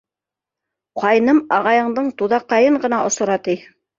Ҡайным ағайыңдың туҙаҡайын ғына осора, ти.